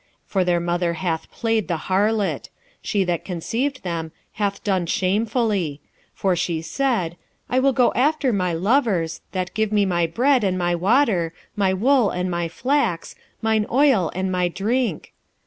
2:5 For their mother hath played the harlot: she that conceived them hath done shamefully: for she said, I will go after my lovers, that give me my bread and my water, my wool and my flax, mine oil and my drink.